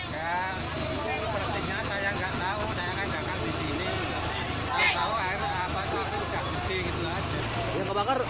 di listrik apa di mana pak